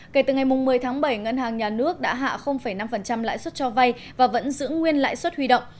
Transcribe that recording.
kể từ ngày một mươi tháng bảy ngân hàng nhà nước đã hạ năm lãi suất cho vay và vẫn giữ nguyên lãi suất huy động